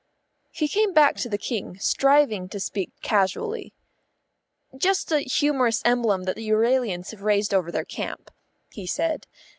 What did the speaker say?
He came back to the King, striving to speak casually. "Just a humorous emblem that the Euralians have raised over their camp," he said.